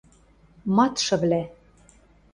МАДШЫВЛӒ